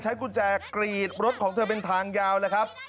กุญแจกรีดรถของเธอเป็นทางยาวเลยครับ